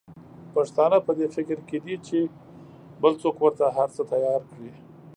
پښتانه په دي فکر کې دي چې بل څوک ورته هرڅه تیار کړي.